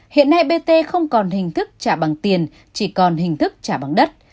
hiện nay bt không còn hình thức trả bằng tiền chỉ còn hình thức trả bằng đất